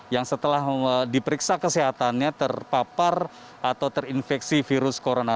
yang setelah diperiksa kesehatannya terpapar atau terinfeksi virus corona